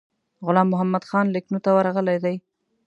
غلام محمدخان لکنهو ته ورغلی دی.